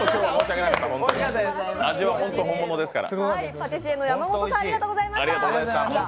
味は本当に本物ですから。